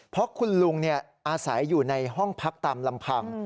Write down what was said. เพราะคุณลุงอาศัยอยู่ในห้องพักตามลำพัง